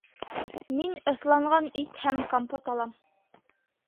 Мин ыҫланған ит һәм компот алам